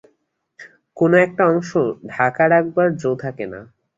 কোনো-একটা অংশ ঢাকা রাখবার জো থাকে না।